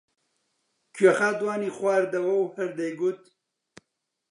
کوێخا دوانی خواردەوە و هەر دەیگوت: